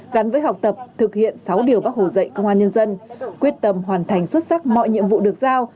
gắn với học tập thực hiện sáu điều bác hồ dạy công an nhân dân quyết tâm hoàn thành xuất sắc mọi nhiệm vụ được giao